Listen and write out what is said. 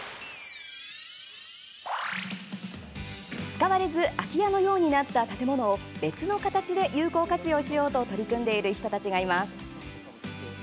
使われず空き家のようになった建物を別の形で有効活用しようと取り組んでいる人たちがいます。